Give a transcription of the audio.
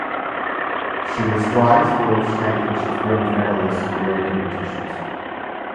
She was twice World Championships bronze medalist in relay competitions.